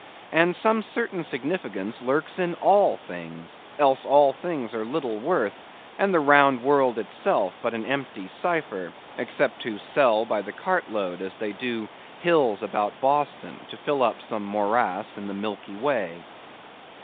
And some certain significance lurks in all things, else all things are little worth, and the round world itself but an empty cipher, except to sell by the cartload, as they do hills about Boston, to fill up some morass in the Milky Way.